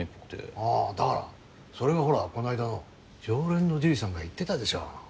あぁだからそれがほらこないだの常連のじいさんが言ってたでしょ。